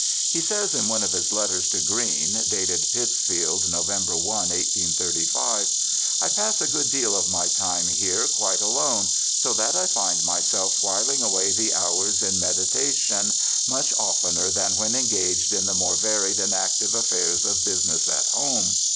He says in one of his letters to Green (dated Pittsfield, Nov. i, 1835) :* I pass a good deal of my time here quite alone, so that I find myself whiHng away the hours in medita tion much oftener than when engaged in the more varied and active affairs of business at home.